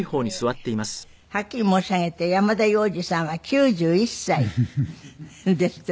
はっきり申し上げて山田洋次さんは９１歳ですってね。